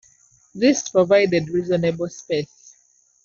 This provided reasonable space.